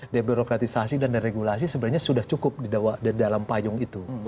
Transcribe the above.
debirokratisasi dan regulasi sebenarnya sudah cukup di dalam payung itu